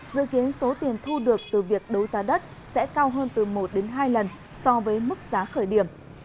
dự kiến số tiền thu được từ việc đấu giá đất sẽ cao hơn từ một đến hai lần so với mức giá khởi điểm